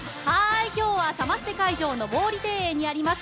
今日はサマステ会場の毛利庭園にあります